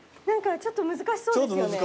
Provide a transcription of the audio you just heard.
ちょっと難しそうですよね。